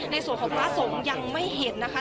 ในส่วนของพระสงฆ์ยังไม่เห็นนะคะ